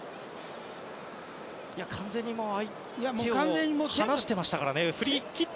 完全に相手を離してましたからね。